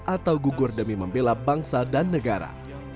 atau gugur demi membela bangsa dan negara